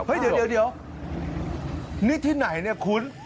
เดี๋ยวนี่ที่ไหนเนี่ยคุ้น